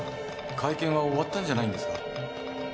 会見は終わったんじゃないんですか？